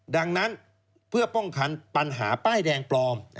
ดังนั้นเพื่อป้องกันปัญหาป้ายแดงปลอม